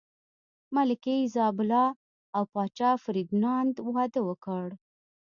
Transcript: ملکې ایزابلا او پاچا فردیناند واده وکړ.